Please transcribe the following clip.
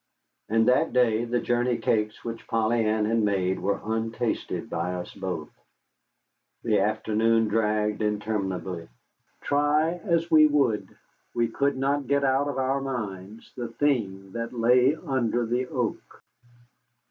And that day the journey cakes which Polly Ann had made were untasted by us both. The afternoon dragged interminably. Try as we would, we could not get out of our minds the Thing that lay under the oak.